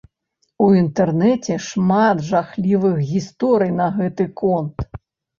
У інтэрнэце шмат жахлівых гісторый на гэты конт.